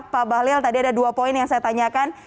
pak bahlil tadi ada dua poin yang saya tanyakan